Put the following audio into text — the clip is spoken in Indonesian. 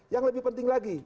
yang lebih penting lagi